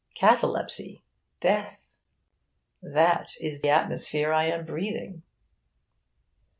Catalepsy! death! that is the atmosphere I am breathing.